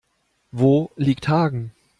Wo liegt Hagen?